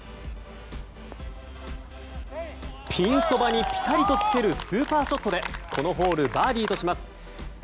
ピンそばに、ぴたりとつけるスーパーショットでこのホールバーディーとします。